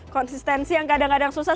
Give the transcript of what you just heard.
konsistensi yang kadang kadang susah